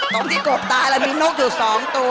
ตรงที่กบตายแล้วมีนกอยู่๒ตัว